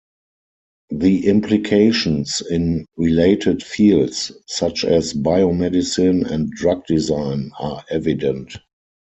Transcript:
The implications in related fields, such as biomedicine and drug design, are evident.